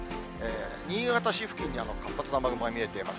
新潟市付近に活発な雨雲が見えています。